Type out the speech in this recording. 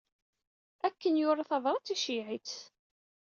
Akken yura tabrat, iceyyeɛ-itt.